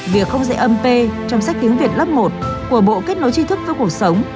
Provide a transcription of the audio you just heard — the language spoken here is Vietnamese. việc không dễ âm p trong sách tiếng việt lớp một của bộ kết nối chi thức với cuộc sống